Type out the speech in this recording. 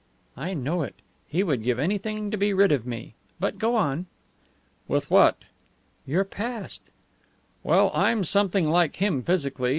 "I know it. He would give anything to be rid of me. But go on." "With what?" "Your past." "Well, I'm something like him physically.